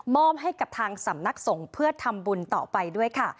มอบให้กับทางสำนักสงฆ์เพื่อทำบุญต่อไปด้วยค่ะ